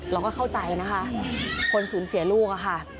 เราก็เข้าใจนะคะคนสูญเสียลูกอะค่ะ